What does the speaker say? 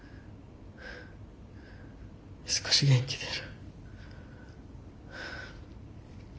少し元気出る。